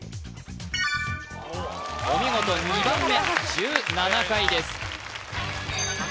お見事２番目１７回です